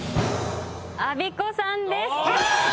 アビコさんです。